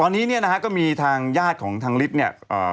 ตอนนี้เนี่ยนะฮะก็มีทางญาติของทางฤทธิ์เนี่ย